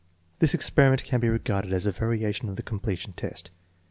This experiment can be regarded as a variation of the completion test.